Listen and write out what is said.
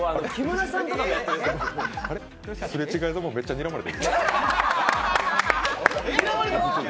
すれ違いざまめっちゃにらまれた。